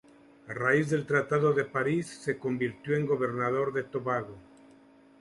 A raíz del Tratado de París, se convirtió en gobernador de Tobago.